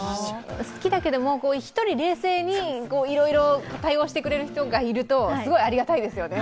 好きだけども、１人冷静にいろいろ対応してくれる人がいると、すごくありがたいですよね。